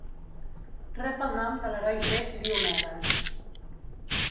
Rep el nom de l'heroi grec Diomedes.